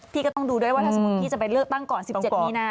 พี่ก็ต้องดูด้วยว่าถ้าสมมุติพี่จะไปเลือกตั้งก่อน๑๗มีนา